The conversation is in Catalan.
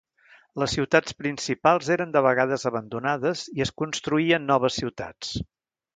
Les ciutats principals eren de vegades abandonades i es construïen noves ciutats.